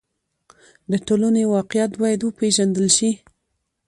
د ټولنې واقعیت باید وپېژندل شي.